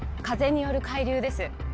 風による海流です